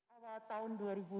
awal tahun dua ribu dua puluh